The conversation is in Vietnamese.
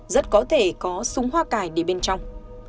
rất có thể có súng hoa cải để bên trong